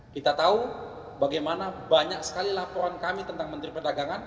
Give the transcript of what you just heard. kita tahu bagaimana banyak sekali laporan kami tentang menteri perdagangan